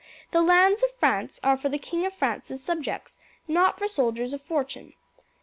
The lands of France are for the King of France's subjects, not for soldiers of fortune.'